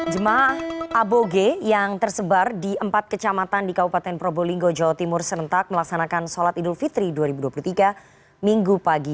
jemaah aboge yang tersebar di empat kecamatan di kabupaten probolinggo jawa timur serentak melaksanakan sholat idul fitri dua ribu dua puluh tiga minggu pagi